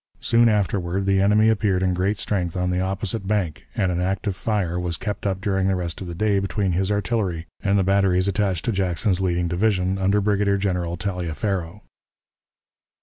Soon afterward the enemy appeared in great strength on the opposite bank, and an active fire was kept up during the rest of the day between his artillery and the batteries attached to Jackson's leading division, under Brigadier General Taliaferro.